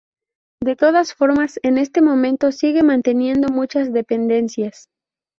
De todas formas, en este momento sigue manteniendo muchas dependencias.